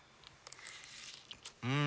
うん！